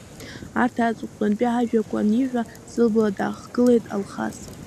Арҭ, аҵыхәтәантәи иажәақәа аниҳәа, сыбла даахгылеит Алхас.